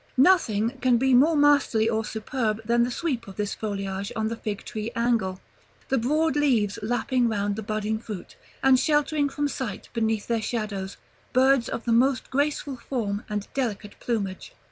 Nothing can be more masterly or superb than the sweep of this foliage on the Fig tree angle; the broad leaves lapping round the budding fruit, and sheltering from sight, beneath their shadows, birds of the most graceful form and delicate plumage.